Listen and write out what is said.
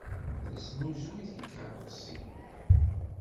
Tesnuzuy tikeṛṛusin.